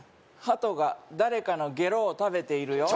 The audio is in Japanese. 「ハトが誰かのゲロを食べているよ」